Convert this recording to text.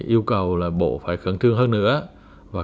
yêu cầu bộ phải khẩn thương hơn nữa